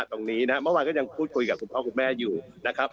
ตรงนี้นะครับเมื่อวานก็ยังพูดคุยกับคุณพ่อคุณแม่อยู่นะครับ